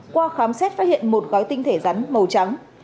qua khám xét phát hiện một gói tinh thể rắn màu trắng